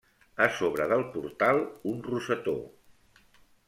A sobre del portal, un rosetó.